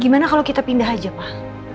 gimana kalau kita pindah aja pak